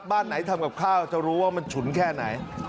บ้านไหนทำกับข้าวจะรู้ว่ามันฉุนแค่ไหน